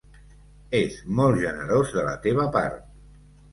És molt generós de la teva part.